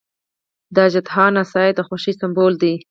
د اژدها نڅا یې د خوښۍ سمبول دی.